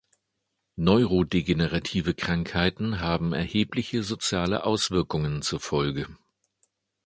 Neurodegenerative Krankheiten haben erhebliche soziale Auswirkungen zur Folge.